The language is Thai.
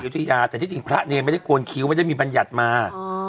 แต่ที่จริงพระเนรไม่ได้โกนคิ้วมันจะมีบรรยัตน์มา